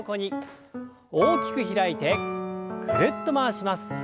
大きく開いてぐるっと回します。